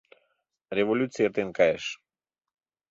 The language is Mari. Революций эртен кайыш.